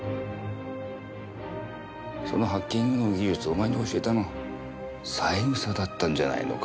そのハッキングの技術をお前に教えたの三枝だったんじゃないのか？